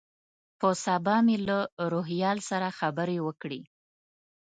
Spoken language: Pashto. په سبا مې له روهیال سره خبرې وکړې.